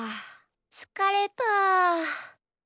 つかれた。